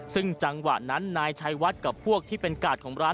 ซึ่งจังหวะนั้นนายชัยวัดกับพวกที่เป็นกาดของร้าน